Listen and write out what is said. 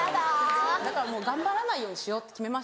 だからもう頑張らないようにしようって決めました。